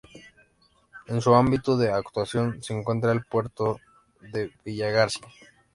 En su ámbito de actuación se encuentra el Puerto de Villagarcía.